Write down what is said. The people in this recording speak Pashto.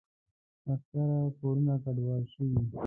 اکثره کورونه کنډواله شوي.